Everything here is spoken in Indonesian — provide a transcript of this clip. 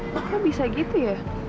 kok bisa gitu ya